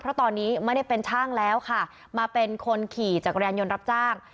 เพราะตอนนี้ไม่ได้เป็นช่างแล้วค่ะมาเป็นคนขี่จักรยานยนต์รับจ้าง